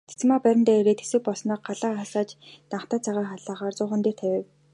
Цэрэгмаа байрандаа ирээд хэсэг болсноо галаа асааж данхтай цай халаахаар зуухан дээрээ тавив.